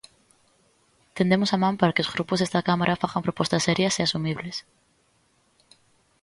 Tendemos a man para que os grupos desta cámara fagan propostas serias e asumibles.